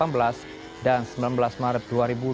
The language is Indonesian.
dalam kesempatan yang sama menteri bumn erick thohir juga menyatakan